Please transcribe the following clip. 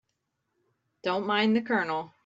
Don't mind the Colonel.